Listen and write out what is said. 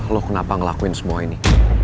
lo kenapa ngelakuin semua ini